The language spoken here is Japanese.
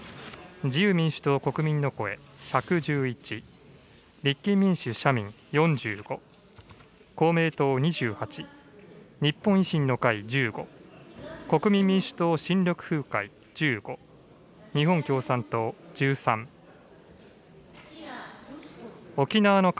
自由民主党・国民の声１１１、立憲民主・社民４５、公明党２８、日本維新の会１５、国民民主党・新緑風会１５、日本共産党１３、沖縄の風